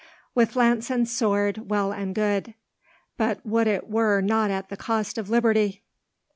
"With lance and sword, well and good; but would it were not at the cost of liberty!"